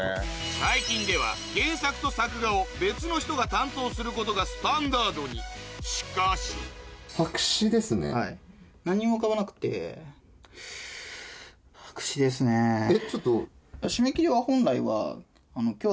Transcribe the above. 最近では原作と作画を別の人が担当することがスタンダードにしかしっていうのもあるんですけど。